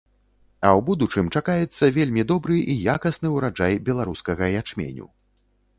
А ў будучым чакаецца вельмі добры і якасны ўраджай беларускага ячменю.